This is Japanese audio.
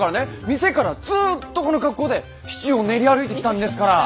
店からずーっとこの格好で市中を練り歩いてきたんですから！